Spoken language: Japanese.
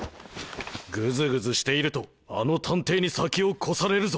グズグズしているとあの探偵に先を越されるぞ。